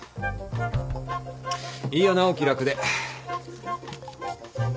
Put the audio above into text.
いいよなお気楽で。